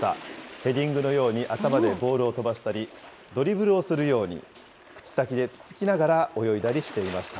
ヘディングのように頭でボールを飛ばしたり、ドリブルをするように口先でつつきながら泳いだりしていました。